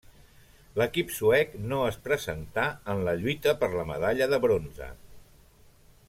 L'equip suec no es presentà en la lluita per la medalla de bronze.